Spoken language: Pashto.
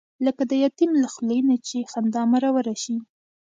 لکه د یتیم له خولې نه چې خندا مروره شي.